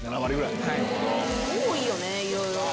多いよねいろいろ。